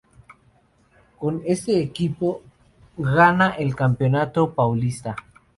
Con este equipo gana el Campeonato Paulista.